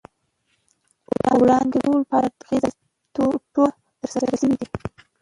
وړاندې کول په هراړخیزه توګه ترسره شوي دي.